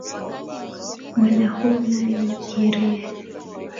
Mwana huu nae ukirie.